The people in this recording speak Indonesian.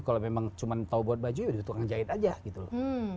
kalau memang cuma tahu buat baju ya dituang jahit aja gitu loh